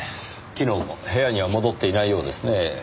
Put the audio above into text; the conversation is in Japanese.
昨日も部屋には戻っていないようですねぇ。